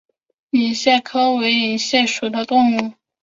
裂隐蟹为玉蟹科裂隐蟹属的动物。